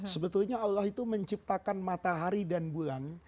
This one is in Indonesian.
sebetulnya allah itu menciptakan matahari dan bulan